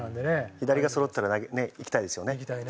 左がそろったらねいきたいですよね。